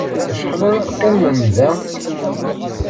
Acḥal ara teqqimem da?